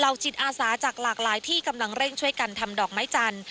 จิตอาสาจากหลากหลายที่กำลังเร่งช่วยกันทำดอกไม้จันทร์